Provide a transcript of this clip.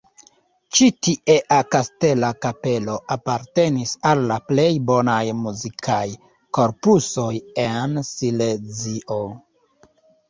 Ĉi tiea kastela kapelo apartenis al la plej bonaj muzikaj korpusoj en Silezio.